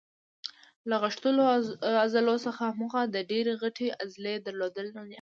له غښتلو عضلو څخه موخه د ډېرې غټې عضلې درلودل نه دي.